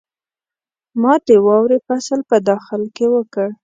ما د واورې فصل په داخل کې وکړ.